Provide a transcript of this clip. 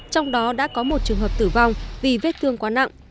trong đó đã có một trường hợp tử vong vì vết thương quá nặng